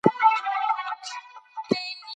پښتون په پښتو ښه ښکاریږي